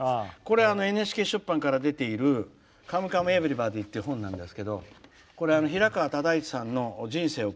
ＮＨＫ出版から出ている「カムカムエヴリバディ」という本なんですけど、これ平川唯一さんの人生を。